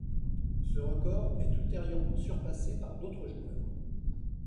Ce record est ultérieurement surpassé par d'autres joueurs.